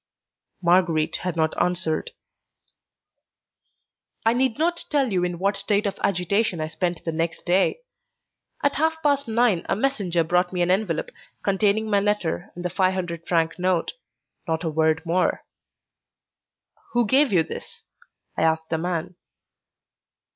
Marguerite had not answered. I need not tell you in what state of agitation I spent the next day. At half past nine a messenger brought me an envelope containing my letter and the five hundred franc note, not a word more. "Who gave you this?" I asked the man.